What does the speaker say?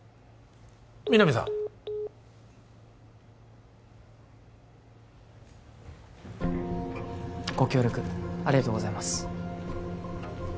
皆実さんご協力ありがとうございます